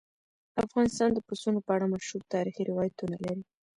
افغانستان د پسونو په اړه مشهور تاریخي روایتونه لري.